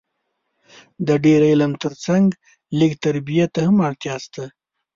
د ډېر علم تر څنګ لږ تربیې ته هم اړتیا سته